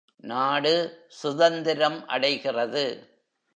நாடு சுதந்திரம் அடைகிறது.